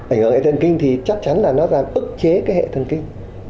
ảnh hưởng hệ thần kinh thì chắc chắn là nó giảm ức chế cái hệ thần kinh